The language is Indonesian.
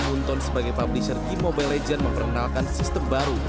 game sebagai publisher di mobile legends memperkenalkan sistem baru